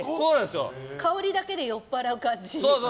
香りだけで酔っぱらう感じ。